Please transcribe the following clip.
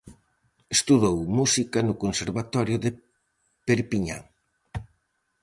Estudou música no conservatorio de Perpiñán.